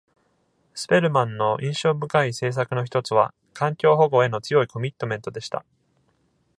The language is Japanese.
スペルマンの印象深い政策のひとつは、環境保護への強いコミットメントでした。